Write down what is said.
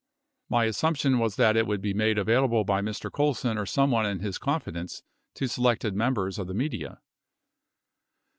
123 My assumption was that it would be made available by Mr. Colson or someone in his confidence to selected members of the media.